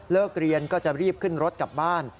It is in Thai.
เรียนก็จะรีบขึ้นรถกลับบ้าน